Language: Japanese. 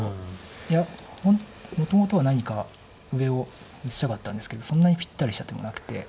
いやもともとは何か上を打ちたかったんですけどそんなにぴったりした手もなくて。